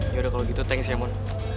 yaudah kalo gitu thanks ya mon